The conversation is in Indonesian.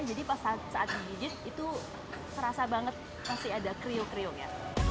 jadi saat digidit itu terasa banget masih ada kriuk kriuknya